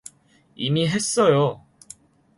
이미 했어요.